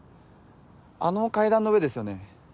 あの階段の上ですよね。